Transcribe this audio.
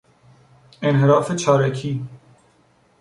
انحراف چارکی